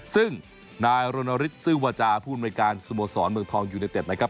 ซึ่งนายรณฤทธซื้อวาจาผู้อำนวยการสโมสรเมืองทองยูเนเต็ดนะครับ